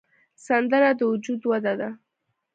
سندره د وجد وده ده